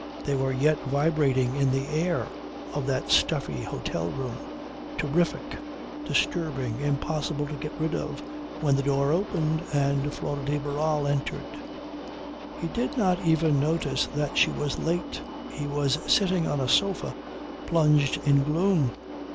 They were yet vibrating in the air of that stuffy hotel room, terrific, disturbing, impossible to get rid of, when the door opened and Flora de Barral entered. He did not even notice that she was late. He was sitting on a sofa plunged in gloom.